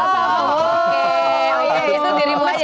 itu dirimu aja ya